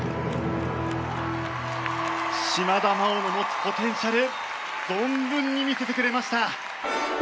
島田麻央の持つポテンシャル存分に見せてくれました。